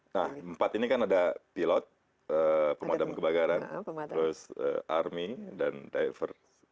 nah empat ini kan ada pilot pemadam kebakaran terus army dan diver